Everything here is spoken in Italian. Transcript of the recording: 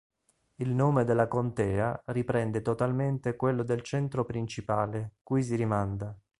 Il nome della contea riprende totalmente quello del centro principale, cui si rimanda.